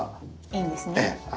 いいんですね。